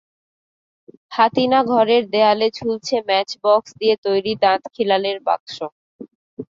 হাতিনা ঘরের দেয়ালে ঝুলছে ম্যাচ বাক্স দিয়ে তৈরি দাঁত খিলালের বাক্স।